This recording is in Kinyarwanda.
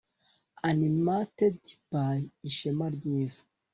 Animated by ishema ryiza